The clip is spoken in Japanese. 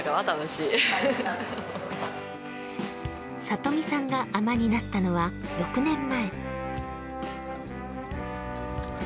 里見さんが海女になったのは６年前。